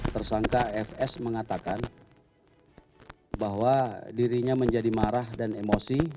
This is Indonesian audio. tersangka fs mengatakan bahwa dirinya menjadi marah dan emosi